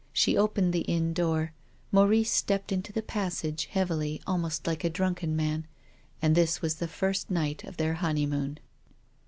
She opened the inn door. Maurice stepped into the passage, heavily, almost like a drunken man. And this was the first night of their honeymoon.